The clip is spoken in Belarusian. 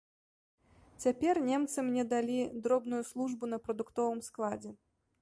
Цяпер немцы мне далі дробную службу на прадуктовым складзе.